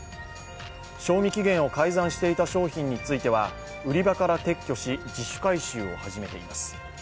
賞味期限を改ざんしていた商品については、売り場から撤去し、自主回収を始めています。